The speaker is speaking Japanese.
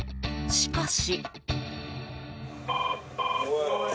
しかし。